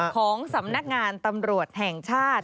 ของสำนักงานตำรวจแห่งชาติ